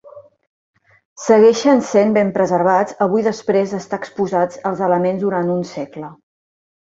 Segueixen sent ben preservats avui després d'estar exposats als elements durant un segle.